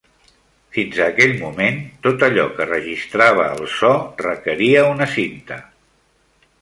Fins a aquell moment, tot allò que registrava el so requeria una cinta.